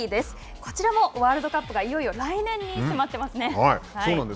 こちらもワールドカップがいよいよ来年に迫っています。